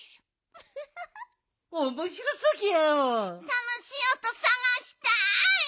たのしいおとさがしたい！